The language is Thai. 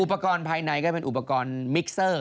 อุปกรณ์ภายในก็เป็นอุปกรณ์มิกเซอร์